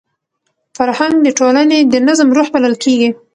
فرهنګ د ټولني د نظم روح بلل کېږي.